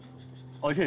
おいしい！